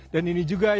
dan ini juga menjadi